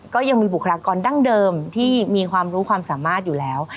ก็ยังมีบุคลากรดั้งเดิมที่มีความรู้ความสามารถอยู่แล้ว